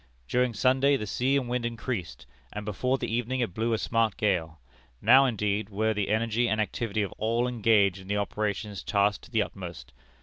"During Sunday the sea and wind increased, and before the evening it blew a smart gale. Now, indeed, were the energy and activity of all engaged in the operation tasked to the utmost.